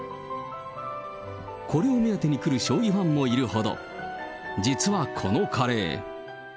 これを目当てに来る将棋ファンもいるほど、実はこのカレー。